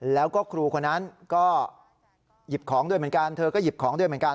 แล้วก็ครูคนนั้นก็หยิบของด้วยเหมือนกันเธอก็หยิบของด้วยเหมือนกัน